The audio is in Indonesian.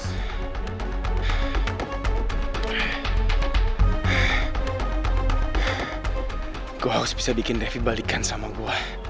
aku harus bisa bikin devi balikkan sama aku